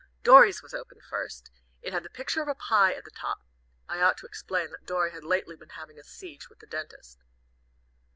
Dorry's was opened first. It had the picture of a pie at the top I ought to explain that Dorry had lately been having a siege with the dentist.